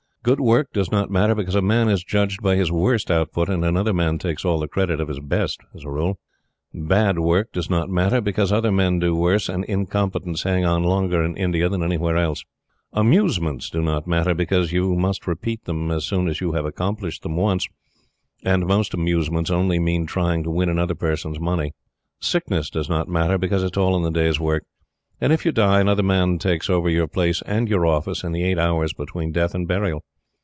Good work does not matter, because a man is judged by his worst output and another man takes all the credit of his best as a rule. Bad work does not matter, because other men do worse, and incompetents hang on longer in India than anywhere else. Amusements do not matter, because you must repeat them as soon as you have accomplished them once, and most amusements only mean trying to win another person's money. Sickness does not matter, because it's all in the day's work, and if you die another man takes over your place and your office in the eight hours between death and burial.